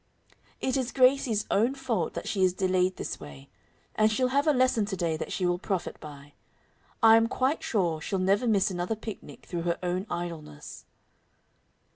"It is Gracie's own fault that she is delayed this way, and she'll have a lesson to day that she will profit by. I am quite sure she'll never miss another picnic through her own idleness."